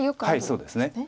はいそうですね。